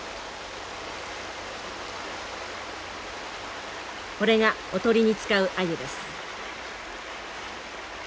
これがおとりに使うアユです。